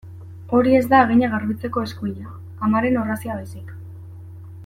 Hori ez da haginak garbitzeko eskuila, amaren orrazia baizik.